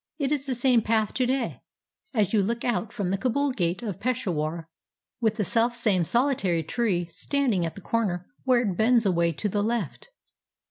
It is the same path to day, as you look out from the Kabul gate of Peshawar, with the selfsame solitary tree standing at the corner where it bends away to the left.